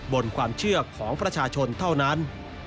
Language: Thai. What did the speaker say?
บนความเชื่อของประชาชนเท่านั้น